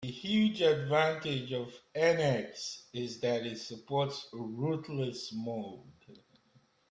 The huge advantage of NX is that it supports "rootless" mode.